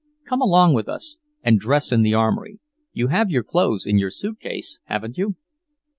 Come along with us and dress in the Armory. You have your clothes in your suitcase, haven't you?"